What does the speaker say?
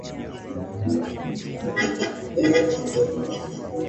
vilisitisha kwa muda kusonga mbele kwa Waturuki kwenda